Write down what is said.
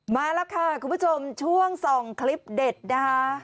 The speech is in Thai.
มาแล้วค่ะคุณผู้ชมช่วงส่องคลิปเด็ดนะคะ